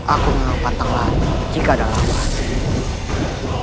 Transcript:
aku menolong pantang laki jika ada kemampuan